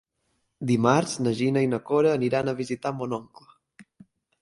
Dimarts na Gina i na Cora aniran a visitar mon oncle.